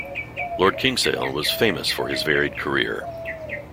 Lord Kingsale was famous for his varied career.